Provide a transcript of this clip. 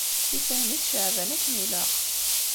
Ifhem-it Ceεban akken ilaq.